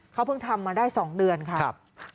เขาเพิ่งทำมาได้๒เดือนค่ะ